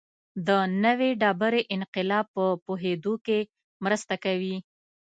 د نوې ډبرې انقلاب په پوهېدو کې مرسته کوي.